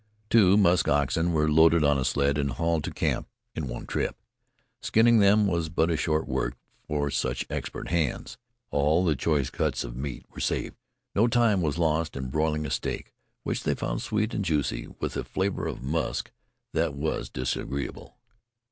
Two musk oxen were loaded on a sled and hauled to camp in one trip. Skinning them was but short work for such expert hands. All the choice cuts of meat were saved. No time was lost in broiling a steak, which they found sweet and juicy, with a flavor of musk that was disagreeable.